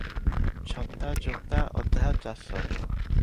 ଛତା ଯୋତା ଅଧା ଚାଷ